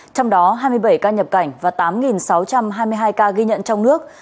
trong đó hai mươi bảy ca nhập cảnh và tám sáu trăm hai mươi hai ca ghi nhận trong nước